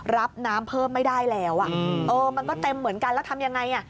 รับน้ำเพิ่มไม่ได้แล้วมันก็เต็มเหมือนกันแล้วทำอย่างไร